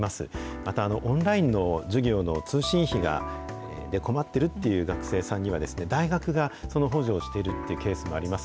また、オンラインの授業の通信費で困ってるっていう学生さんには、大学がその補助をしてるっていうケースもあります。